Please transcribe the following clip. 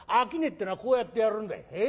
商いってえのはこうやってやるんだ。